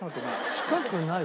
近くない？